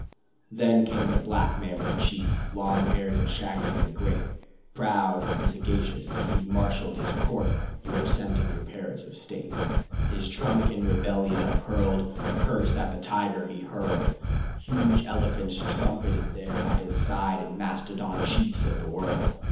... Then came the black mammoth chief: Long haired and shaggy and great, Proud and sagacious he marshalled his court: (You had sent him your parrots of state.) His trunk in rebellion upcurled, A curse at the tiger he hurled. Huge elephants trumpeted there by his side, And mastodon chiefs of the world.